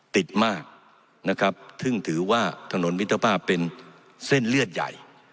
ติดมากนะครับซึ่งถือว่าถนนมิตรภาพเป็นเส้นเลือดใหญ่